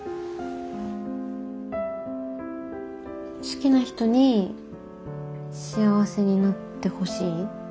好きな人に幸せになってほしいとか。